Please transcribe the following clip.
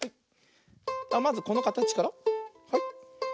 まずこのかたちから。